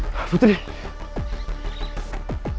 udah lebih mendingan